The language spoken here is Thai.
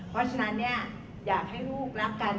เพราะฉะนั้นเนี่ยอยากให้ลูกรักกัน